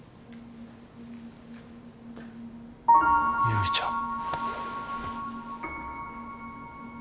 優里ちゃん。